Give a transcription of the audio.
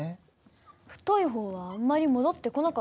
太い方はあんまり戻ってこなかった。